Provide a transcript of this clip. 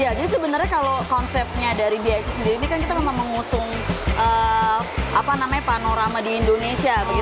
ya jadi sebenarnya kalau konsepnya dari bic sendiri ini kan kita memang mengusung panorama di indonesia